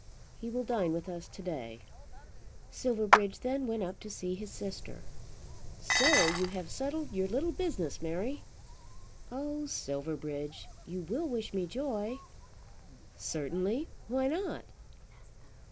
He will dine with us to day." Silverbridge then went up to see his sister. "So you have settled your little business, Mary?" "Oh, Silverbridge, you will wish me joy?" "Certainly. Why not?"